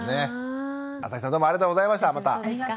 あさひさんどうもありがとうございましたまた。